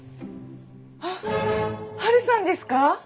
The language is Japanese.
あっハルさんですか？